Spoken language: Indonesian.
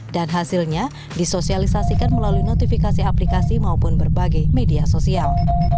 dan hasilnya disosialisasikan melalui notifikasi aplikasi maupun berbagai media sosial